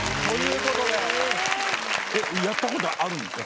やったことあるんですか？